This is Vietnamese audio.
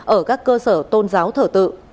ở các cơ sở tôn giáo thở tự